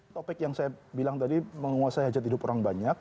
topik yang saya bilang tadi menguasai hajat hidup orang banyak